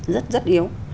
rất rất yếu